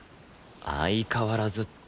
「相変わらず」って